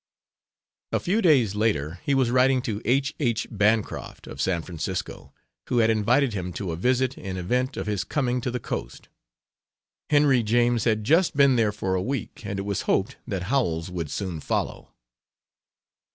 A few days later he was writing to H. H. Bancroft, of San Francisco, who had invited him for a visit in event of his coming to the Coast. Henry James had just been there for a week and it was hoped that Howells would soon follow.